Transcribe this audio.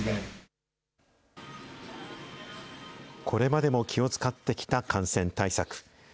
これまでも気を遣ってきた感染対策。